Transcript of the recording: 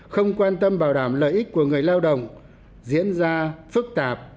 không quan tâm bảo đảm lợi ích của người lao động diễn ra phức tạp